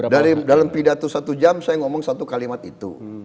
dari dalam pidato satu jam saya ngomong satu kalimat itu